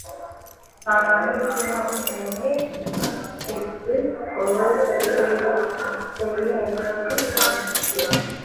தான் வணங்கும் ஸ்ரீநிவாசனிடமே விண்ணப்பித்துக் கொள்வதைத்தவிர வேறு செய்ய அறியாது வாழ்கிறார்.